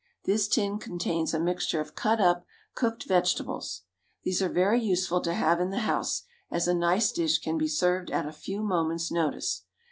This tin contains a mixture of cut up, cooked vegetables. These are very useful to have in the house, as a nice dish can be served at a few moments' notice.